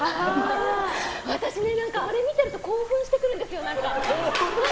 私、あれ見てると何か、興奮してくるんですよ。